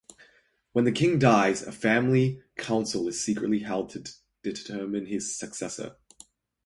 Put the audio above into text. When the king dies, a family council is secretly held to determine his successor.